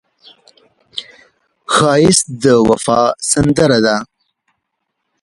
ښایست د وفا سندره ده